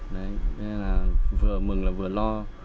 vì vậy là vừa mừng là vừa lo